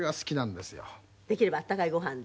できればあったかいご飯で？